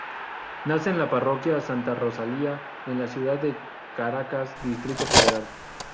Nace en la Parroquia Santa Rosalía, en la ciudad de Caracas, Distrito Federal.